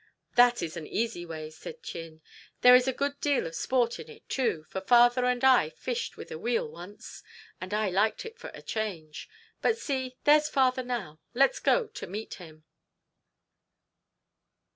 "That is an easy way," said Chin. "There is a good deal of sport in it, too, for father and I fished with a wheel once, and I liked it for a change. But see, there's father now. Let's go to meet him."